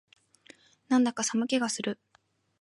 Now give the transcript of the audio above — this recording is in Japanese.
なんだか寒気がする